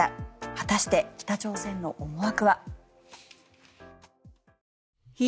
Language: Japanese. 果たして北朝鮮の思惑は。